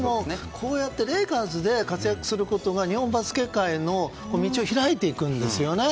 、こうやってレイカーズで活躍することが、日本バスケ界の道を開いていくんですね。